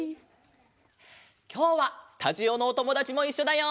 きょうはスタジオのおともだちもいっしょだよ！